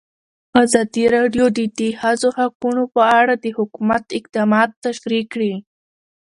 ازادي راډیو د د ښځو حقونه په اړه د حکومت اقدامات تشریح کړي.